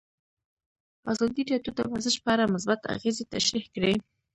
ازادي راډیو د ورزش په اړه مثبت اغېزې تشریح کړي.